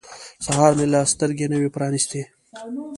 سهار مې لا سترګې نه وې پرانیستې.